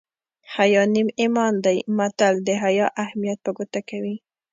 حیا نیم ایمان دی متل د حیا اهمیت په ګوته کوي